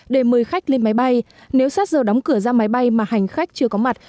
để mời khách lên máy bay nếu sát giờ đóng cửa ra máy bay mà hành khách chưa có mặt